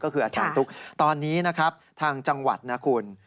ก็คืออาจารย์ตุ๊กตอนนี้นะครับทางจังหวัดนะคุณ